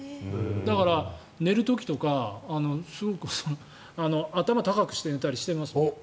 だから、寝る時とかすごく頭を高くして寝たりしています。